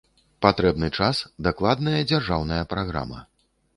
Патрэбны час, дакладная дзяржаўная праграма.